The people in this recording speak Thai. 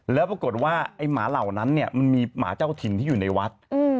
แล้วปรากฏว่าเหมือนมีหมาเหล่านั้นมีหมาเจ้าถิ่นที่อยู่ในวัด